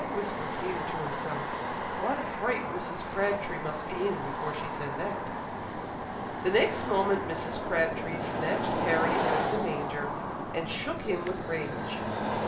whispered Peter to himself. "What a fright Mrs. Crabtree must be in, before she said that!" The next moment Mrs. Crabtree snatched Harry out of the manger, and shook him with rage.